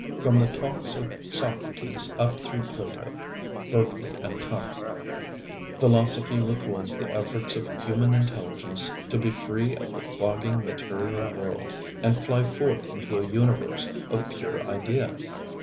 From the talks of Socrates up through Plato, Berkeley and Kant, philosophy records the efforts of human intelligence to be free of the clogging material world and fly forth into a universe of pure idea.